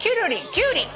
きゅうり。